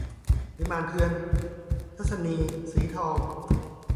วิมานเถื่อน - ทัศนีย์ สีทอง